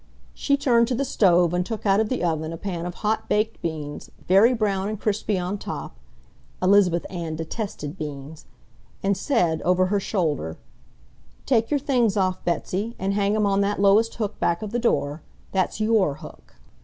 She turned to the stove and took out of the oven a pan of hot baked beans, very brown and crispy on top (Elizabeth Ann detested beans), and said, over her shoulder, "Take your things off, Betsy, and hang 'em on that lowest hook back of the door. That's YOUR hook."